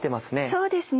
そうですね。